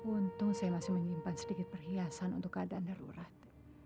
untung saya masih menyimpan sedikit perhiasan untuk keadaan darurat